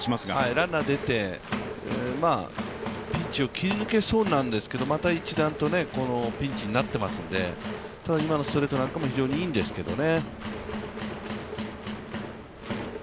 ランナー出て、ピンチを切り抜けそうなんですけどまた一段とピンチになっていますので、ただ、今のストレートなんかも非常にいいんですけどね。